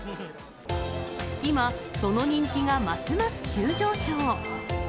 今、その人気がますます急上昇。